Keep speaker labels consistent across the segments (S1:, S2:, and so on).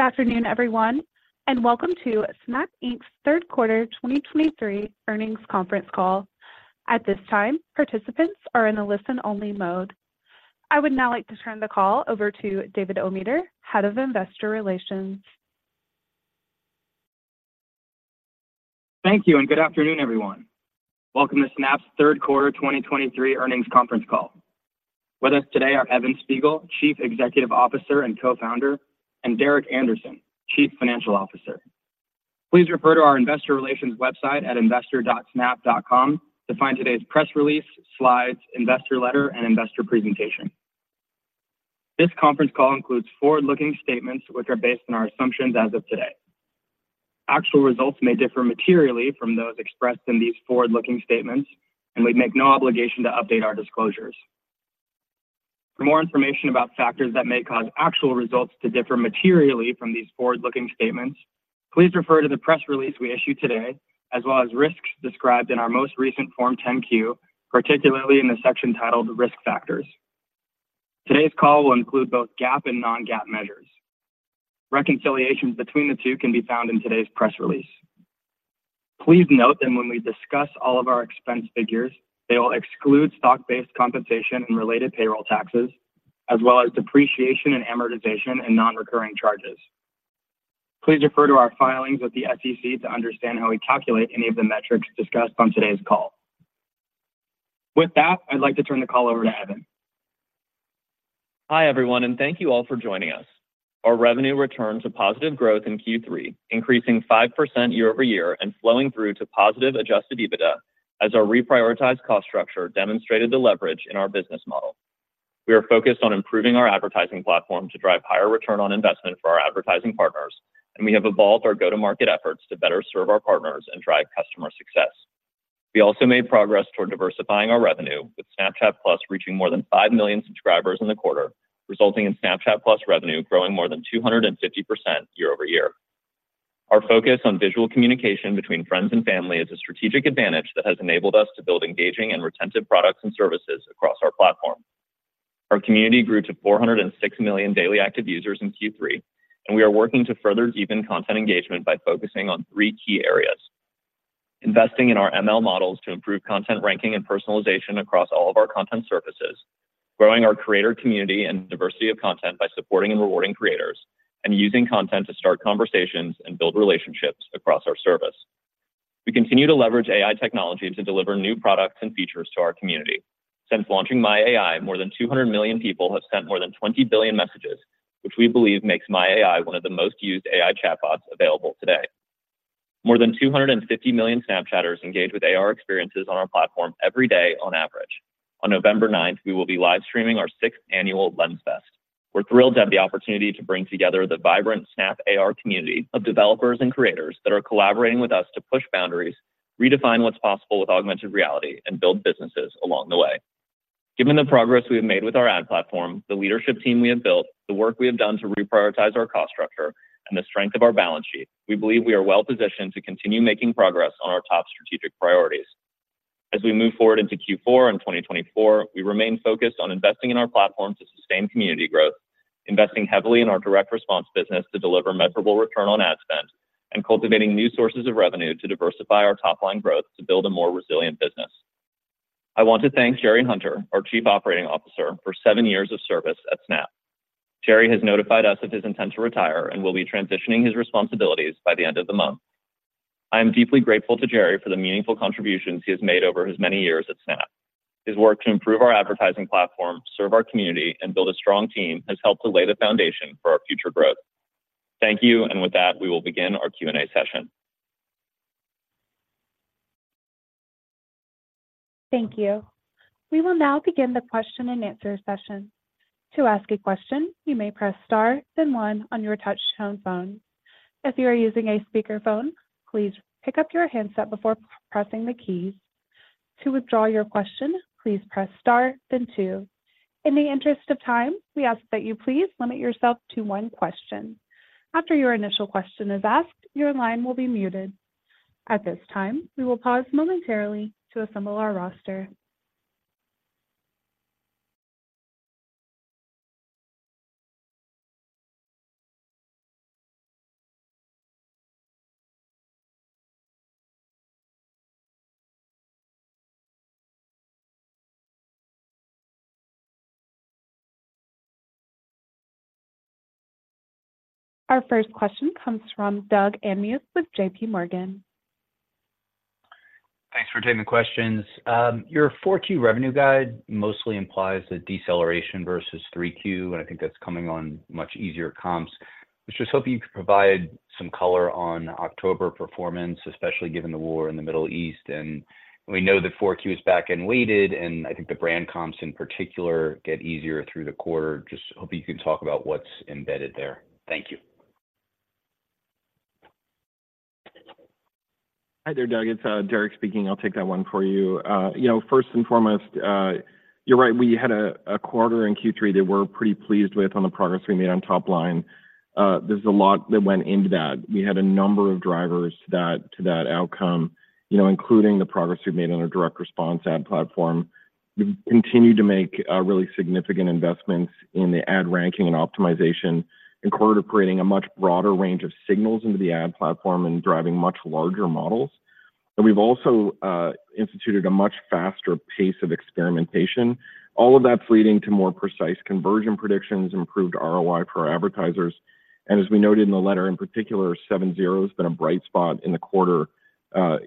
S1: Good afternoon, everyone, and welcome to Snap Inc.'s Third Quarter 2023 Earnings Conference Call. At this time, participants are in a listen-only mode. I would now like to turn the call over to David Ometer, Head of Investor Relations.
S2: Thank you, and good afternoon, everyone. Welcome to Snap's Third Quarter 2023 Earnings Conference Call. With us today are Evan Spiegel, Chief Executive Officer and Co-founder, and Derek Andersen, Chief Financial Officer. Please refer to our investor relations website at investor.snap.com to find today's press release, slides, investor letter, and investor presentation. This conference call includes forward-looking statements which are based on our assumptions as of today. Actual results may differ materially from those expressed in these forward-looking statements, and we make no obligation to update our disclosures. For more information about factors that may cause actual results to differ materially from these forward-looking statements, please refer to the press release we issued today, as well as risks described in our most recent Form 10-Q, particularly in the section titled "Risk Factors." Today's call will include both GAAP and non-GAAP measures. Reconciliations between the two can be found in today's press release. Please note that when we discuss all of our expense figures, they will exclude stock-based compensation and related payroll taxes, as well as depreciation and amortization and non-recurring charges. Please refer to our filings with the SEC to understand how we calculate any of the metrics discussed on today's call. With that, I'd like to turn the call over to Evan.
S3: Hi, everyone, and thank you all for joining us. Our revenue returned to positive growth in Q3, increasing 5% year-over-year and flowing through to positive adjusted EBITDA as our reprioritized cost structure demonstrated the leverage in our business model. We are focused on improving our advertising platform to drive higher return on investment for our advertising partners, and we have evolved our go-to-market efforts to better serve our partners and drive customer success. We also made progress toward diversifying our revenue, with Snapchat+ reaching more than five million subscribers in the quarter, resulting in Snapchat+ revenue growing more than 250% year-over-year. Our focus on visual communication between friends and family is a strategic advantage that has enabled us to build engaging and retentive products and services across our platform. Our community grew to 406 million daily active users in Q3, and we are working to further deepen content engagement by focusing on three key areas: investing in our ML models to improve content ranking and personalization across all of our content surfaces, growing our creator community and diversity of content by supporting and rewarding creators, and using content to start conversations and build relationships across our service. We continue to leverage AI technology to deliver new products and features to our community. Since launching My AI, more than 200 million people have sent more than 20 billion messages, which we believe makes My AI one of the most used AI chatbots available today. More than 250 million Snapchatters engage with AR experiences on our platform every day on average. On November ninth, we will be live streaming our sixth annual Lens Fest. We're thrilled to have the opportunity to bring together the vibrant Snap AR community of developers and creators that are collaborating with us to push boundaries, redefine what's possible with augmented reality, and build businesses along the way. Given the progress we have made with our ad platform, the leadership team we have built, the work we have done to reprioritize our cost structure, and the strength of our balance sheet, we believe we are well positioned to continue making progress on our top strategic priorities. As we move forward into Q4 and 2024, we remain focused on investing in our platform to sustain community growth, investing heavily in our direct response business to deliver measurable return on ad spend, and cultivating new sources of revenue to diversify our top-line growth to build a more resilient business. I want to thank Jerry Hunter, our Chief Operating Officer, for seven years of service at Snap. Jerry has notified us of his intent to retire and will be transitioning his responsibilities by the end of the month. I am deeply grateful to Jerry for the meaningful contributions he has made over his many years at Snap. His work to improve our advertising platform, serve our community, and build a strong team has helped to lay the foundation for our future growth. Thank you, and with that, we will begin our Q&A session.
S1: Thank you. We will now begin the question-and-answer session. To ask a question, you may press star then one on your touch-tone phone. If you are using a speakerphone, please pick up your handset before pressing the keys. To withdraw your question, please press star then two. In the interest of time, we ask that you please limit yourself to one question. After your initial question is asked, your line will be muted. At this time, we will pause momentarily to assemble our roster. Our first question comes from Doug Anmuth with JPMorgan.
S4: Thanks for taking the questions. Your 4Q revenue guide mostly implies a deceleration versus 3Q, and I think that's coming on much easier comps. I was just hoping you could provide some color on October performance, especially given the war in the Middle East, and we know that 4Q is back-end weighted, and I think the brand comps in particular get easier through the quarter. Just hoping you can talk about what's embedded there. Thank you.
S3: Hi there, Doug. It's Derek speaking. I'll take that one for you. You know, first and foremost, you're right. We had a quarter in Q3 that we're pretty pleased with on the progress we made on top line. There's a lot that went into that. We had a number of drivers to that outcome, you know, including the progress we've made on our direct response ad platform. We've continued to make really significant investments in the ad ranking and optimization, and core to creating a much broader range of signals into the ad platform and driving much larger models.
S5: And we've also instituted a much faster pace of experimentation. All of that's leading to more precise conversion predictions, improved ROI for our advertisers. And as we noted in the letter, in particular, 7/0 has been a bright spot in the quarter,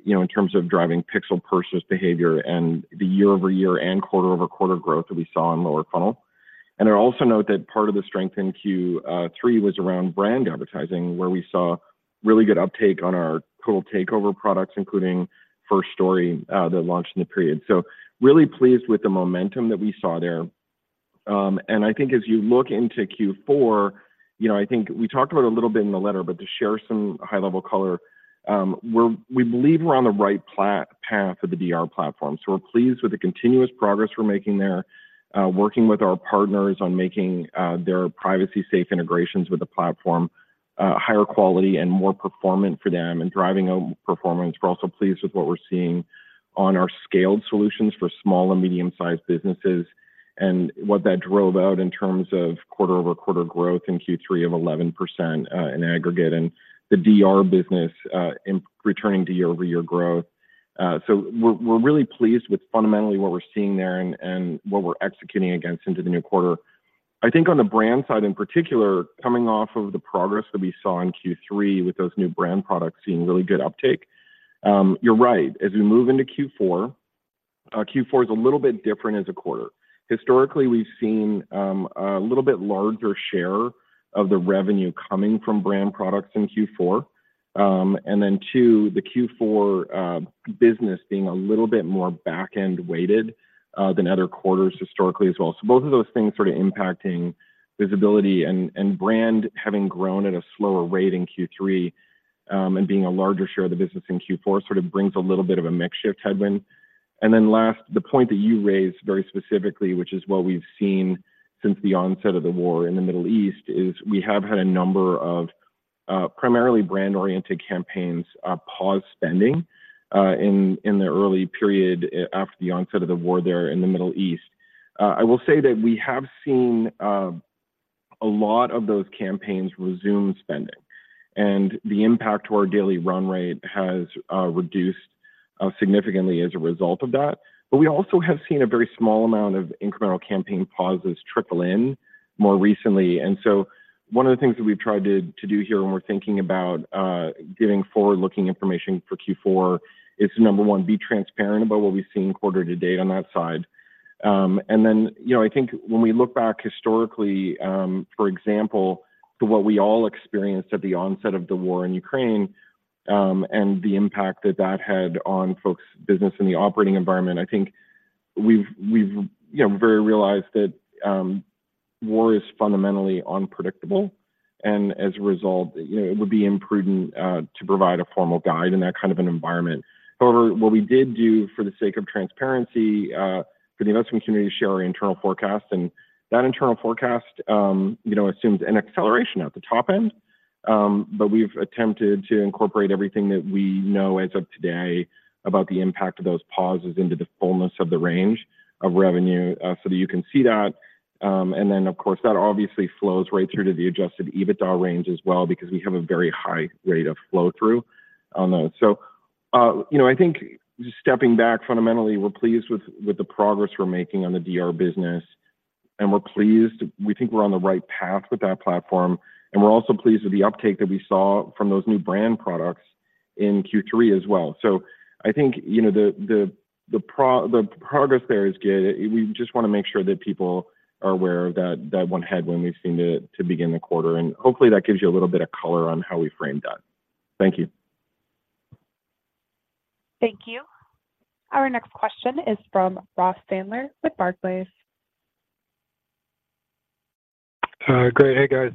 S5: you know, in terms of driving pixel purchase behavior and the year-over-year and quarter-over-quarter growth that we saw in lower funnel. And I'd also note that part of the strength in Q3 was around brand advertising, where we saw really good uptake on our Total Takeover products, including First Story, that launched in the period. So really pleased with the momentum that we saw there. And I think as you look into Q4, you know, I think we talked about it a little bit in the letter, but to share some high-level color, we believe we're on the right path with the DR platform. So we're pleased with the continuous progress we're making there, working with our partners on making their privacy safe integrations with the platform higher quality and more performant for them, and driving home performance. We're also pleased with what we're seeing on our scaled solutions for small and medium-sized businesses, and what that drove out in terms of quarter-over-quarter growth in Q3 of 11%, in aggregate, and the DR business in returning to year-over-year growth. So we're really pleased with fundamentally what we're seeing there and what we're executing against into the new quarter. I think on the brand side, in particular, coming off of the progress that we saw in Q3 with those new brand products seeing really good uptake, you're right. As we move into Q4, Q4 is a little bit different as a quarter. Historically, we've seen a little bit larger share of the revenue coming from brand products in Q4. And then too, the Q4 business being a little bit more back-end weighted than other quarters historically as well. So both of those things sort of impacting visibility and brand having grown at a slower rate in Q3 and being a larger share of the business in Q4, sort of brings a little bit of a mix shift headwind. Then last, the point that you raised very specifically, which is what we've seen since the onset of the war in the Middle East, is we have had a number of primarily brand-oriented campaigns pause spending in the early period after the onset of the war there in the Middle East. I will say that we have seen a lot of those campaigns resume spending, and the impact to our daily run rate has reduced significantly as a result of that. But we also have seen a very small amount of incremental campaign pauses trickle in more recently. So one of the things that we've tried to do here when we're thinking about giving forward-looking information for Q4 is, number one, be transparent about what we've seen quarter to date on that side. And then, you know, I think when we look back historically, for example, to what we all experienced at the onset of the war in Ukraine, and the impact that that had on folks' business in the operating environment, I think we've very realized that war is fundamentally unpredictable, and as a result, you know, it would be imprudent to provide a formal guide in that kind of an environment. However, what we did do for the sake of transparency, for the investment community, share our internal forecast, and that internal forecast, you know, assumes an acceleration at the top end. But we've attempted to incorporate everything that we know as of today about the impact of those pauses into the fullness of the range of revenue, so that you can see that. And then, of course, that obviously flows right through to the adjusted EBITDA range as well, because we have a very high rate of flow-through on those. So, you know, I think just stepping back, fundamentally, we're pleased with the progress we're making on the DR business, and we're pleased. We think we're on the right path with that platform, and we're also pleased with the uptake that we saw from those new brand products in Q3 as well. So I think, you know, the progress there is good. We just wanna make sure that people are aware of that one headwind we've seen to begin the quarter, and hopefully, that gives you a little bit of color on how we framed that. Thank you.
S1: Thank you. Our next question is from Ross Sandler with Barclays.
S6: Great. Hey, guys.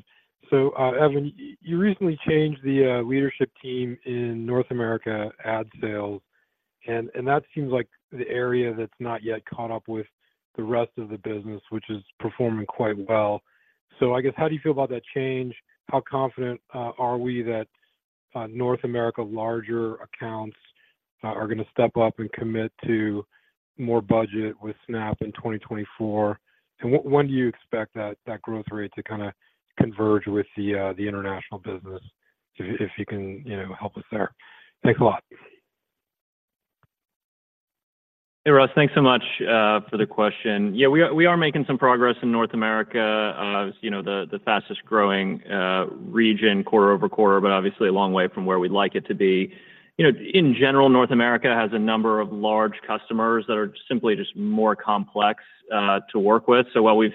S6: So, Evan, you recently changed the leadership team in North America ad sales, and that seems like the area that's not yet caught up with the rest of the business, which is performing quite well. So I guess, how do you feel about that change? How confident are we that North America larger accounts are gonna step up and commit to more budget with Snap in 2024? And when do you expect that growth rate to kinda converge with the international business, if you can, you know, help us there? Thanks a lot.
S5: Hey, Ross. Thanks so much for the question. Yeah, we are making some progress in North America. You know, the fastest growing region, quarter over quarter, but obviously a long way from where we'd like it to be. You know, in general, North America has a number of large customers that are simply just more complex to work with. So while we've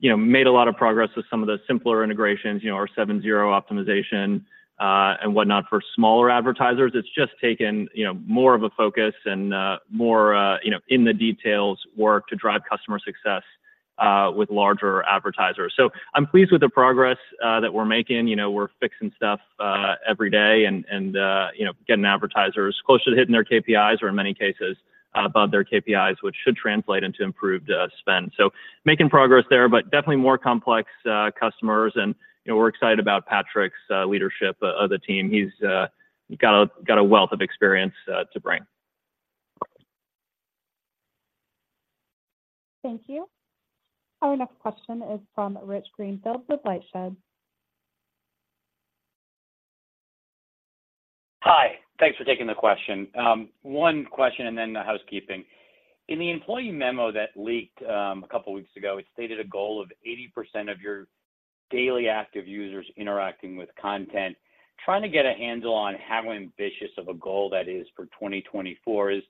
S5: made a lot of progress with some of the simpler integrations, you know, our 7/0 optimization and whatnot, for smaller advertisers, it's just taken more of a focus and more, you know, in the details work to drive customer success with larger advertisers. So I'm pleased with the progress that we're making. You know, we're fixing stuff every day and, you know, getting advertisers closer to hitting their KPIs, or in many cases, above their KPIs, which should translate into improved spend. So making progress there, but definitely more complex customers. And, you know, we're excited about Patrick's leadership of the team. He's got a wealth of experience to bring.
S1: Thank you. Our next question is from Rich Greenfield with LightShed.
S7: Hi, thanks for taking the question. One question and then the housekeeping. In the employee memo that leaked, a couple of weeks ago, it stated a goal of 80% of your daily active users interacting with content. Trying to get a handle on how ambitious of a goal that is for 2024. Is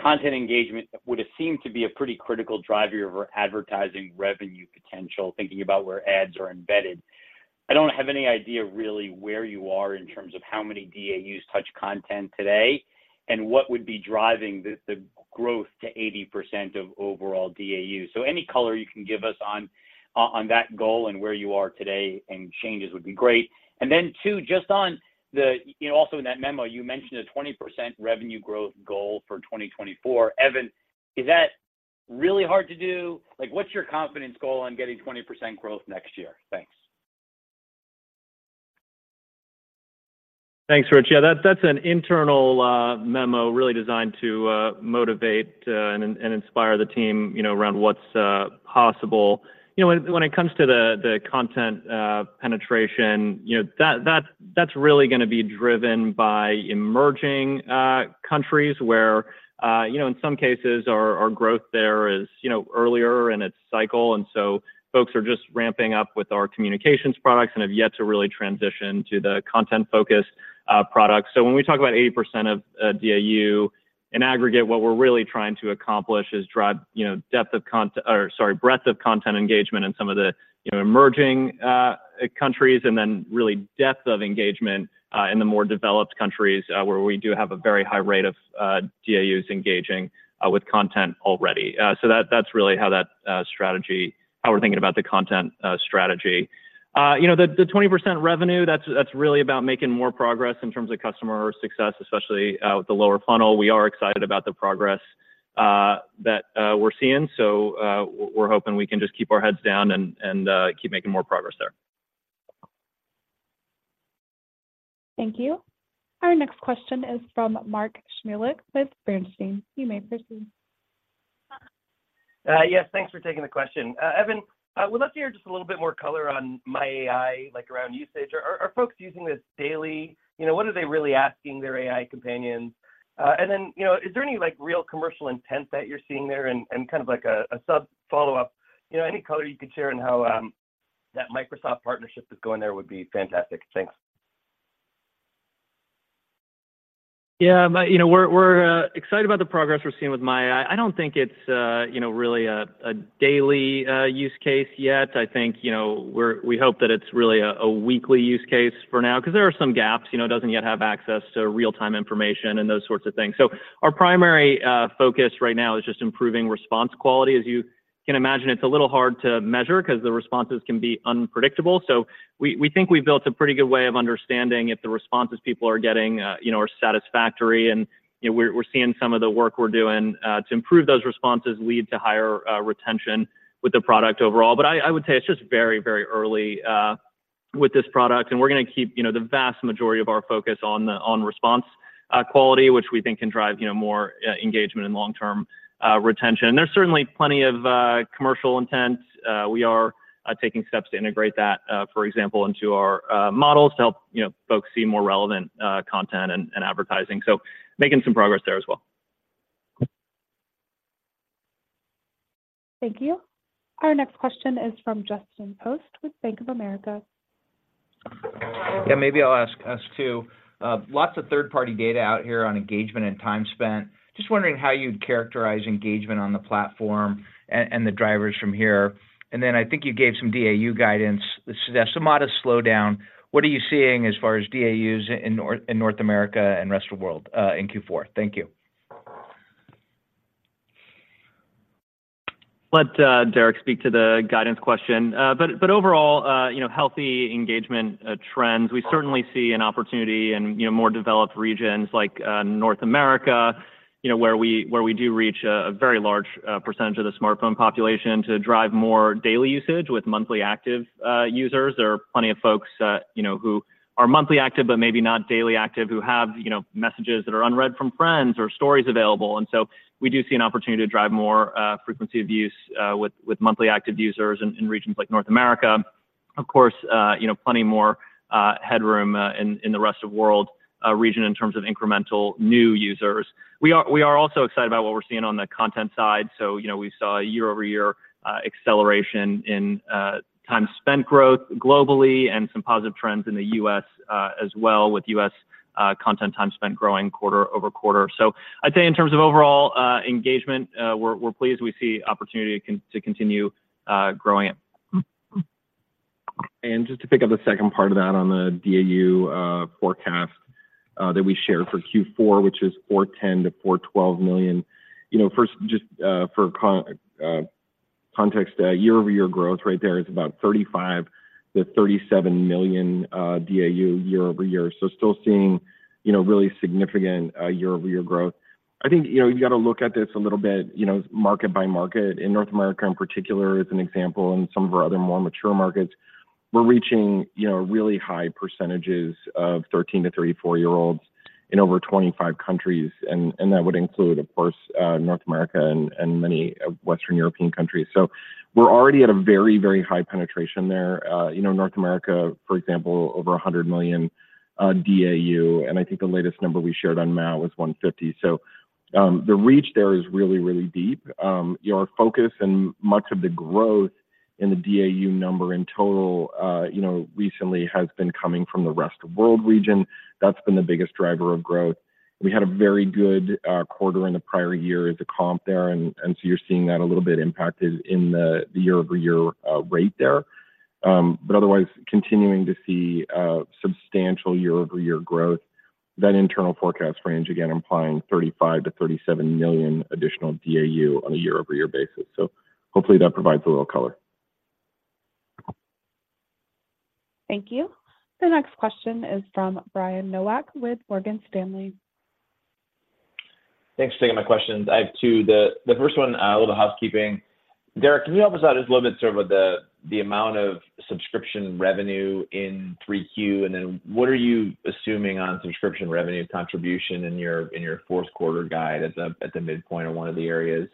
S7: content engagement would have seemed to be a pretty critical driver of our advertising revenue potential, thinking about where ads are embedded. I don't have any idea really where you are in terms of how many DAUs touch content today, and what would be driving the growth to 80% of overall DAU. So any color you can give us on that goal and where you are today and changes would be great. And then two, just on the, you know, also in that memo, you mentioned a 20% revenue growth goal for 2024. Evan, is that really hard to do? Like, what's your confidence goal on getting 20% growth next year? Thanks.
S3: Thanks, Rich. Yeah, that's an internal memo really designed to motivate and inspire the team, you know, around what's possible. You know, when it comes to the content penetration, you know, that's really gonna be driven by emerging countries where, you know, in some cases our growth there is, you know, earlier in its cycle, and so folks are just ramping up with our communications products and have yet to really transition to the content-focused products. So when we talk about 80% of DAU, in aggregate, what we're really trying to accomplish is drive, you know, depth of content or sorry, breadth of content engagement in some of the, you know, emerging countries, and then really depth of engagement in the more developed countries, where we do have a very high rate of DAUs engaging with content already. So that's really how that strategy—how we're thinking about the content strategy. You know, the 20% revenue, that's really about making more progress in terms of customer success, especially with the lower funnel. We are excited about the progress that we're seeing. So we're hoping we can just keep our heads down and keep making more progress there.
S1: Thank you. Our next question is from Mark Shmulik with Bernstein. You may proceed.
S8: Yes, thanks for taking the question. Evan, would love to hear just a little bit more color on My AI, like, around usage. Are folks using this daily? You know, what are they really asking their AI companions? And then, you know, is there any, like, real commercial intent that you're seeing there? And kind of like a sub follow-up, you know, any color you could share on how that Microsoft partnership is going there would be fantastic. Thanks.
S3: Yeah, but, you know, we're excited about the progress we're seeing with My AI. I don't think it's, you know, really a daily use case yet. I think, you know, we hope that it's really a weekly use case for now, 'cause there are some gaps. You know, it doesn't yet have access to real-time information and those sorts of things. So our primary focus right now is just improving response quality. As you can imagine, it's a little hard to measure 'cause the responses can be unpredictable. So we think we've built a pretty good way of understanding if the responses people are getting, you know, are satisfactory. And, you know, we're seeing some of the work we're doing to improve those responses lead to higher retention with the product overall. But I would say it's just very, very early with this product, and we're gonna keep, you know, the vast majority of our focus on response quality, which we think can drive, you know, more engagement and long-term retention. And there's certainly plenty of commercial intent. We are taking steps to integrate that, for example, into our models to help, you know, folks see more relevant content and advertising. So making some progress there as well.
S1: Thank you. Our next question is from Justin Post with Bank of America.
S9: Yeah, maybe I'll ask us too. Lots of third-party data out here on engagement and time spent. Just wondering how you'd characterize engagement on the platform and the drivers from here. And then I think you gave some DAU guidance. There's some modest slowdown. What are you seeing as far as DAUs in North America and rest of the world in Q4? Thank you.
S3: Let Derek speak to the guidance question. But overall, you know, healthy engagement trends, we certainly see an opportunity in, you know, more developed regions like North America, you know, where we do reach a very large percentage of the smartphone population to drive more daily usage with monthly active users. There are plenty of folks, you know, who are monthly active, but maybe not daily active, who have, you know, messages that are unread from friends or stories available. And so we do see an opportunity to drive more frequency of use with monthly active users in regions like North America. Of course, you know, plenty more headroom in the rest of world region in terms of incremental new users. We are also excited about what we're seeing on the content side. So, you know, we saw a year-over-year acceleration in time spent growth globally and some positive trends in the U.S. as well, with U.S. content time spent growing quarter-over-quarter. So I'd say in terms of overall engagement, we're pleased we see opportunity to continue growing it.
S5: And just to pick up the second part of that on the DAU forecast that we shared for Q4, which is 410-412 million. You know, first, just for context, year-over-year growth right there is about 35-37 million DAU year-over-year. So still seeing, you know, really significant year-over-year growth. I think, you know, you got to look at this a little bit, you know, market by market. In North America, in particular, as an example, and some of our other more mature markets, we're reaching, you know, really high percentages of 13 to 34-year-olds in over 25 countries, and that would include, of course, North America and many Western European countries. So we're already at a very, very high penetration there. You know, North America, for example, over 100 million DAU, and I think the latest number we shared on MAU was 150. So, the reach there is really, really deep. Our focus and much of the growth in the DAU number in total, you know, recently has been coming from the rest of world region. That's been the biggest driver of growth. We had a very good quarter in the prior year as a comp there, and so you're seeing that a little bit impacted in the year-over-year rate there. But otherwise, continuing to see substantial year-over-year growth. That internal forecast range, again, implying 35-37 million additional DAU on a year-over-year basis. So hopefully that provides a little color.
S1: Thank you. The next question is from Brian Nowak with Morgan Stanley.
S10: Thanks for taking my questions. I have two. The first one, a little housekeeping. Derek, can you help us out just a little bit sort of with the amount of subscription revenue in 3Q? And then what are you assuming on subscription revenue contribution in your fourth quarter guide at the midpoint or one of the areas?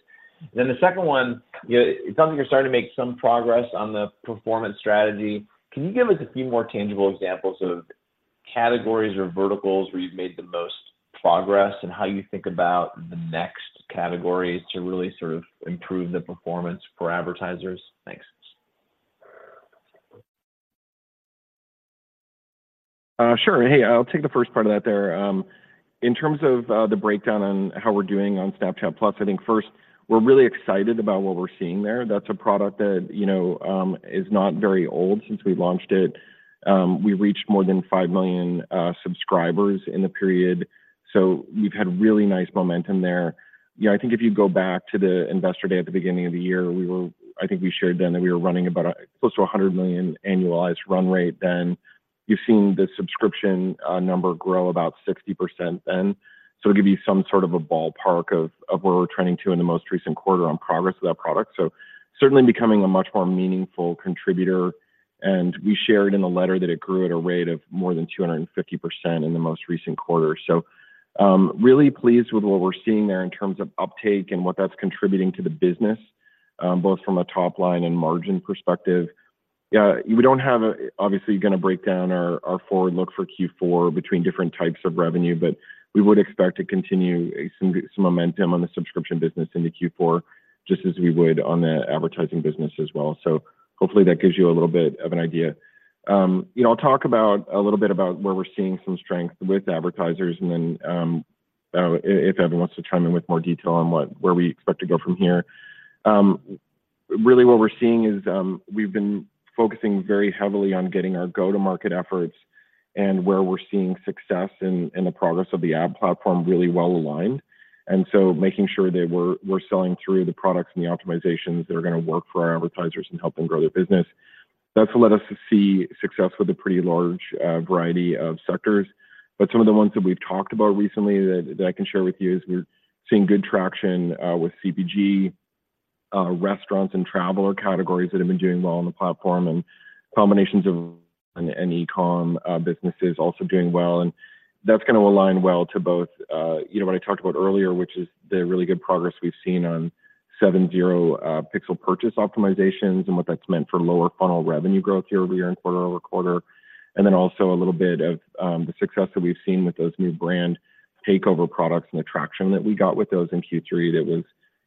S10: Then the second one, you know, it sounds like you're starting to make some progress on the performance strategy. Can you give us a few more tangible examples of categories or verticals where you've made the most progress, and how you think about the next categories to really sort of improve the performance for advertisers? Thanks.
S5: Sure. Hey, I'll take the first part of that there. In terms of the breakdown on how we're doing on Snapchat+, I think first, we're really excited about what we're seeing there. That's a product that, you know, is not very old since we launched it. We reached more than 5 million subscribers in the period, so we've had really nice momentum there. Yeah, I think if you go back to the investor day at the beginning of the year, we were. I think we shared then that we were running about close to 100 million annualized run rate then. You've seen the subscription number grow about 60% then. So to give you some sort of a ballpark of where we're trending to in the most recent quarter on progress of that product. So certainly becoming a much more meaningful contributor, and we shared in the letter that it grew at a rate of more than 250% in the most recent quarter. So, really pleased with what we're seeing there in terms of uptake and what that's contributing to the business, both from a top line and margin perspective. Yeah, we don't have, obviously, going to break down our forward look for Q4 between different types of revenue, but we would expect to continue some momentum on the subscription business into Q4, just as we would on the advertising business as well. So hopefully that gives you a little bit of an idea. You know, I'll talk about a little bit about where we're seeing some strength with advertisers, and then if Evan wants to chime in with more detail on what- where we expect to go from here. Really what we're seeing is we've been focusing very heavily on getting our go-to-market efforts and where we're seeing success in the progress of the ad platform really well aligned. And so making sure that we're selling through the products and the optimizations that are gonna work for our advertisers and help them grow their business. That's led us to see success with a pretty large variety of sectors. But some of the ones that we've talked about recently that I can share with you is we're seeing good traction with CPG, restaurants, and traveler categories that have been doing well on the platform, and combinations of and e-com businesses also doing well. And that's gonna align well to both, you know, what I talked about earlier, which is the really good progress we've seen on 7/0 pixel purchase optimizations and what that's meant for lower funnel revenue growth year-over-year and quarter-over-quarter. And then also a little bit of the success that we've seen with those new brand takeover products and the traction that we got with those in Q3 that was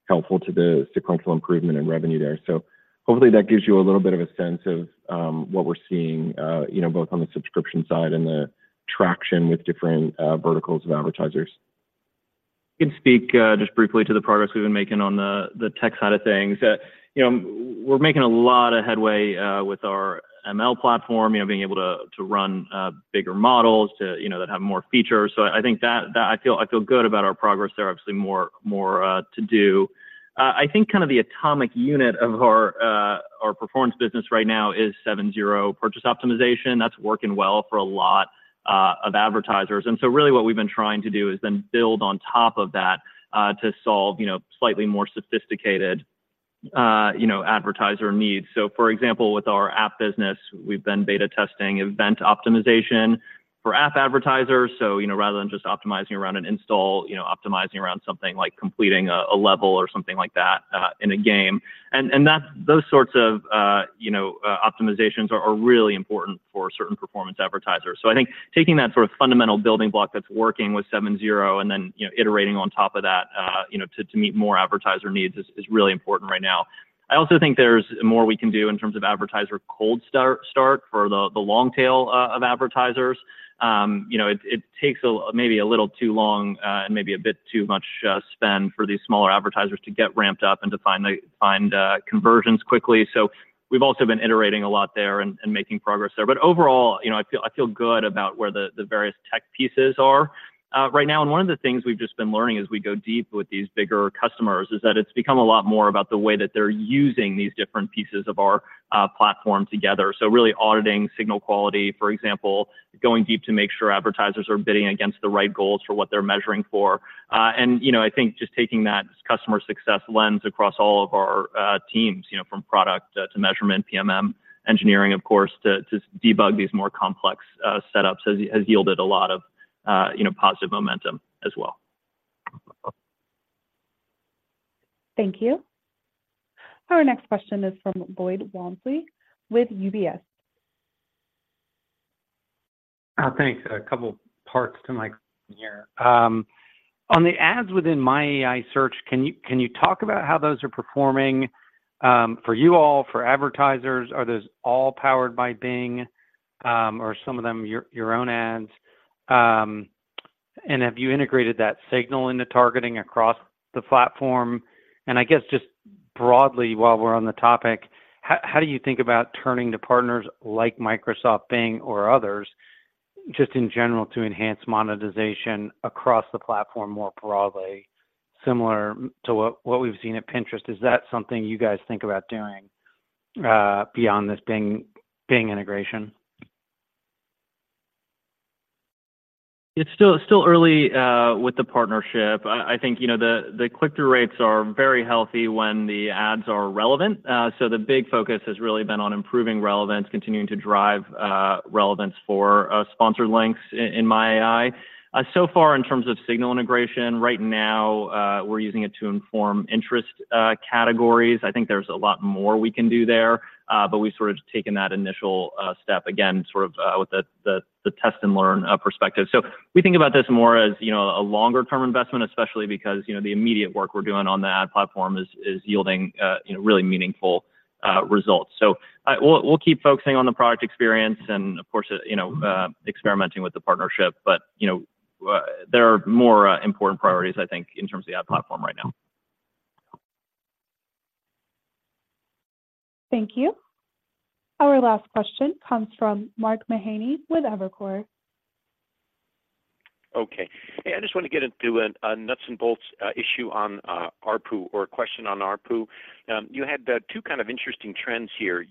S5: helpful to the sequential improvement in revenue there. Hopefully that gives you a little bit of a sense of what we're seeing, you know, both on the subscription side and the traction with different verticals of advertisers.
S3: I can speak just briefly to the progress we've been making on the, the tech side of things. You know, we're making a lot of headway with our ML platform, you know, being able to, to run bigger models to, you know, that have more features. So I think that, that I feel, I feel good about our progress there. Obviously, more, more to do. I think kind of the atomic unit of our, our performance business right now is 7/0 purchase optimization. That's working well for a lot of advertisers. And so really what we've been trying to do is then build on top of that to solve, you know, slightly more sophisticated, you know, advertiser needs. So for example, with our app business, we've been beta testing event optimization for app advertisers. So, you know, rather than just optimizing around an install, you know, optimizing around something like completing a level or something like that in a game. And those sorts of, you know, optimizations are really important for certain performance advertisers. So I think taking that sort of fundamental building block that's working with 7/0 and then, you know, iterating on top of that, you know, to meet more advertiser needs is really important right now. I also think there's more we can do in terms of advertiser cold start for the long tail of advertisers. You know, it takes maybe a little too long and maybe a bit too much spend for these smaller advertisers to get ramped up and to find conversions quickly. So we've also been iterating a lot there and making progress there. But overall, you know, I feel good about where the various tech pieces are right now. And one of the things we've just been learning as we go deep with these bigger customers is that it's become a lot more about the way that they're using these different pieces of our platform together. So really auditing signal quality, for example, going deep to make sure advertisers are bidding against the right goals for what they're measuring for. And, you know, I think just taking that customer success lens across all of our teams, you know, from product to measurement, PMM, engineering, of course, to debug these more complex setups, has yielded a lot of positive momentum as well.
S1: Thank you. Our next question is from Lloyd Walmsley with UBS.
S11: Thanks. A couple parts to my question here. On the ads within My AI search, can you, can you talk about how those are performing, for you all, for advertisers? Are those all powered by Bing, or some of them your, your own ads? And have you integrated that signal into targeting across the platform? And I guess just broadly, while we're on the topic, how, how do you think about turning to partners like Microsoft Bing or others, just in general, to enhance monetization across the platform more broadly, similar to what, what we've seen at Pinterest? Is that something you guys think about doing, beyond this Bing, Bing integration?
S3: It's still early with the partnership. I think, you know, the click-through rates are very healthy when the ads are relevant. So the big focus has really been on improving relevance, continuing to drive relevance for sponsored links in My AI. So far, in terms of signal integration, right now, we're using it to inform interest categories. I think there's a lot more we can do there, but we've sort of taken that initial step, again, sort of, with the test and learn perspective. So we think about this more as, you know, a longer term investment, especially because, you know, the immediate work we're doing on the ad platform is yielding, you know, really meaningful results. So, we'll keep focusing on the product experience and of course, you know, experimenting with the partnership. But, you know, there are more important priorities, I think, in terms of the ad platform right now.
S1: Thank you. Our last question comes from Mark Mahaney with Evercore.
S12: Okay. Hey, I just want to get into a nuts and bolts issue on ARPU or a question on ARPU. You had two kind of interesting trends here.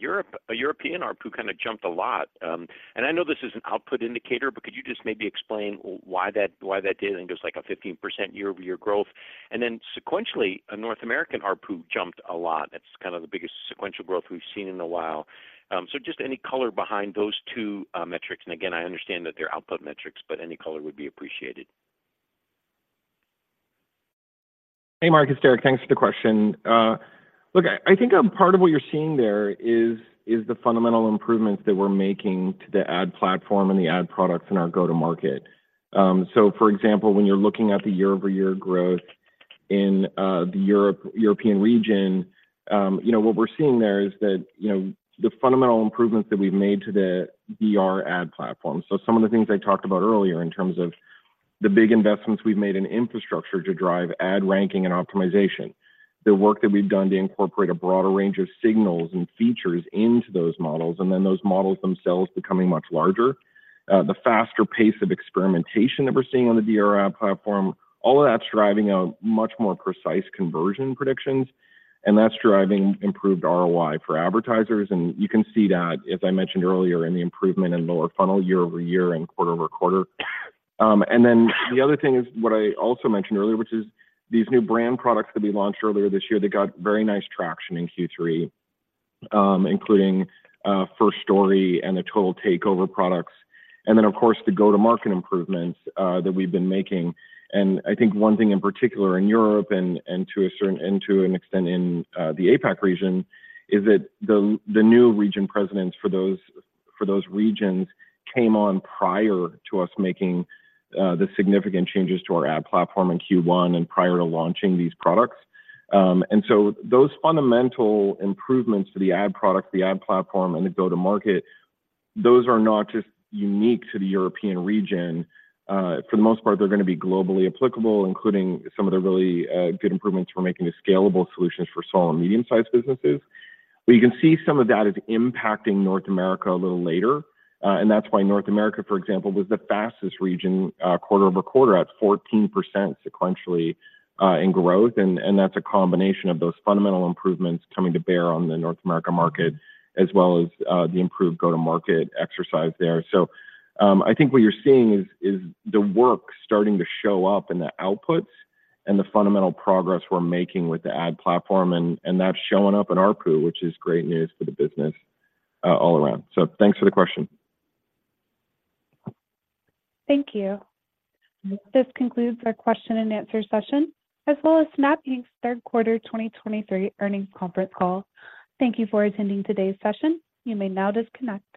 S12: European ARPU kind of jumped a lot, and I know this is an output indicator, but could you just maybe explain why that did, and there's, like, a 15% year-over-year growth? And then sequentially, a North American ARPU jumped a lot. That's kind of the biggest sequential growth we've seen in a while. So just any color behind those two metrics, and again, I understand that they're output metrics, but any color would be appreciated.
S5: Hey, Mark, it's Derek. Thanks for the question. Look, I think a part of what you're seeing there is the fundamental improvements that we're making to the ad platform and the ad products in our go-to-market. So for example, when you're looking at the year-over-year growth in the European region, you know, what we're seeing there is that, you know, the fundamental improvements that we've made to the DR ad platform. So some of the things I talked about earlier in terms of the big investments we've made in infrastructure to drive ad ranking and optimization, the work that we've done to incorporate a broader range of signals and features into those models, and then those models themselves becoming much larger, the faster pace of experimentation that we're seeing on the DR ad platform, all of that's driving a much more precise conversion predictions, and that's driving improved ROI for advertisers. You can see that, as I mentioned earlier, in the improvement in lower funnel year-over-year and quarter-over-quarter. And then the other thing is, what I also mentioned earlier, which is these new brand products that we launched earlier this year, they got very nice traction in Q3, including First Story and the Total Takeover products, and then, of course, the go-to-market improvements that we've been making. And I think one thing in particular in Europe and to an extent in the APAC region is that the new region presidents for those regions came on prior to us making the significant changes to our ad platform in Q1 and prior to launching these products. And so those fundamental improvements to the ad product, the ad platform, and the go-to-market, those are not just unique to the European region. For the most part, they're gonna be globally applicable, including some of the really good improvements we're making to scalable solutions for small and medium-sized businesses. But you can see some of that is impacting North America a little later, and that's why North America, for example, was the fastest region quarter-over-quarter at 14% sequentially in growth. And that's a combination of those fundamental improvements coming to bear on the North America market, as well as the improved go-to-market exercise there. So, I think what you're seeing is the work starting to show up in the outputs and the fundamental progress we're making with the ad platform, and that's showing up in ARPU, which is great news for the business all around. So thanks for the question.
S1: Thank you. This concludes our question-and-answer session, as well as Snap Inc.'s third quarter 2023 Earnings Conference Call. Thank you for attending today's session. You may now disconnect.